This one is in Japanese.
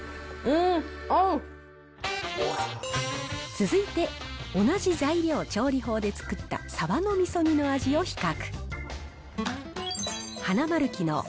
続いて、同じ材料、調理法で作ったサバのみそ煮の味を比較。